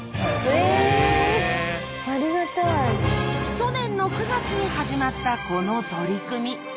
去年の９月に始まったこの取り組み。